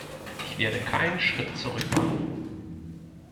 Ich werde keinen Schritt zurück machen.